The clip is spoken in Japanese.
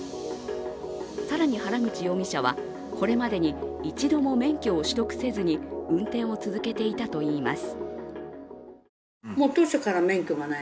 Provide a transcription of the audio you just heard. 更に、原口容疑者はこれまでに一度も免許を取得せずに運転を続けていたといいます。